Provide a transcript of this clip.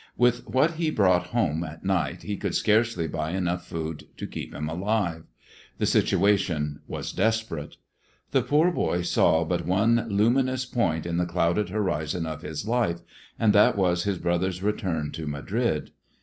With what he brought home at night he could scarcely buy enough food to keep him alive. The situation was desperate. The poor boy saw but one luminous point in the clouded horizon of his life, and that was his brother's return to Madrid.